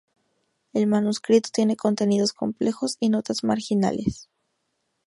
El manuscrito tiene contenidos complejos y notas marginales.